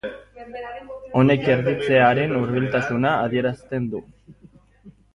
Honek erditzearen hurbiltasuna adierazten du.